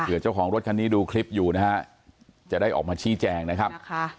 เจ้าของรถคันนี้ดูคลิปอยู่นะฮะจะได้ออกมาชี้แจงนะครับ